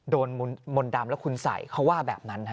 โดนมนต์ดำและคุณสัยเขาว่าแบบนั้น